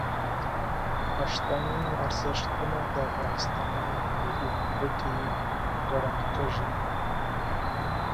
پښتني ارزښتونه د افغانستان ملي ګټې ګڼل کیږي.